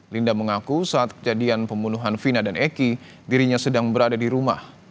linda mengaku saat kejadian pembunuhan vina dan eki dirinya sedang berada di rumah